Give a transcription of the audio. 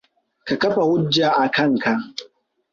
Ka kafa hujja a kanka!